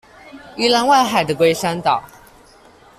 宜蘭外海的龜山島